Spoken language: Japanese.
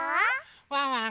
ワンワン